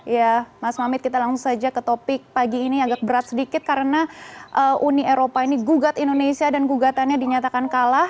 ya mas mamit kita langsung saja ke topik pagi ini agak berat sedikit karena uni eropa ini gugat indonesia dan gugatannya dinyatakan kalah